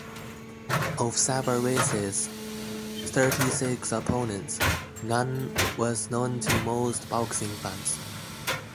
Of Savarese's thirty six opponents, none was known to most boxing fans.